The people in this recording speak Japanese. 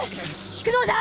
退くのだ！